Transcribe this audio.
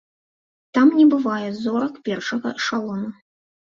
Там не бывае зорак першага эшалону.